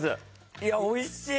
いやおいしい！